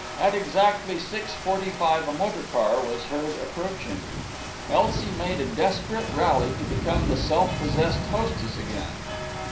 At exactly six forty five a motor car was heard approaching. Elsie made a desperate rally to become the self possessed hostess again.